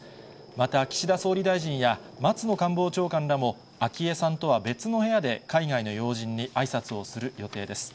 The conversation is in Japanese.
また岸田総理大臣や松野官房長官らも、昭恵さんとは別の部屋で海外の要人にあいさつをする予定です。